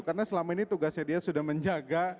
karena selama ini tugasnya dia sudah menjaga